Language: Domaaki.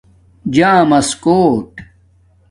جامس کݸٹ